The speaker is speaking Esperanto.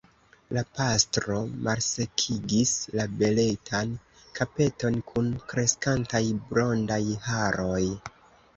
La pastro malsekigis la beletan kapeton kun kreskantaj blondaj haroj.